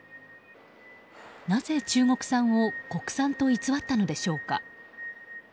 なぜ、中国産を国産と偽ったのでしょうか。